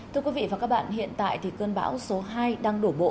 thưa quý vị và các bạn hiện tại thì cơn bão số hai đang đổ bộ